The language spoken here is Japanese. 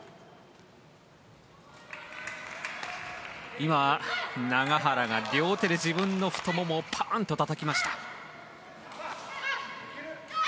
今、永原が両手で自分の太ももをパンとたたきました。